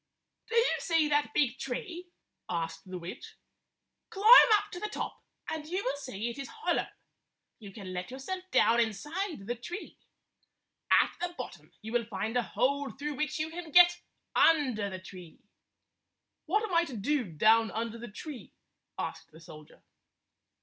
"Do you see that big tree?" asked the witch. "Climb up to the top, and you will see it is hollow. You can let yourself down inside the tree. At the bottom you will find a hole through which you can get under the tree." "What am I to do down under the tree?" asked the soldier.